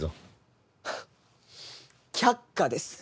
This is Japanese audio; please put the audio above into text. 却下です。